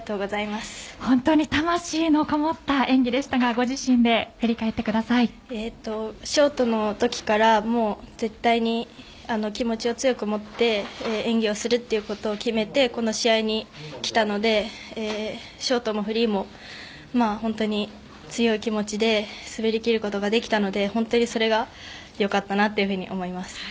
本当に魂のこもった演技でしたがショートのときから絶対に気持ちを強く持って演技をするということを決めてこの試合に来たのでショートもフリーも本当に強い気持ちで滑りきることができたのでそれがよかったなと思います。